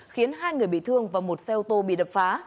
khiến hai người bị thương và một xe ô tô bị đập phá